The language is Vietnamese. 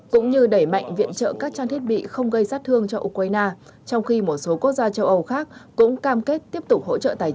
cũng như đẩy mạnh viện trợ các trang thiết bị không gây sát thương cho ukraine trong khi một số quốc gia châu âu khác cũng cam kết tiếp tục hỗ trợ tài chính